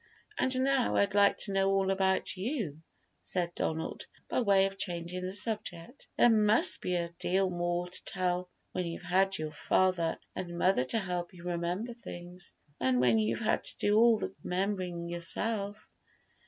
"And now I'd like to know all about you," said Donald, by way of changing the subject; "there must be a deal more to tell when you've had your father and mother to help you remember things, than when you've had to do all the remembering yourself.